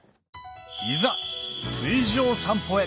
いざ水上散歩へ！